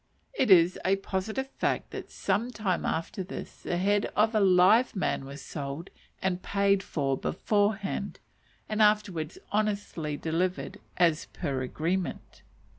It is a positive fact that some time after this the head of a live man was sold and paid for beforehand, and afterwards honestly delivered "as per agreement."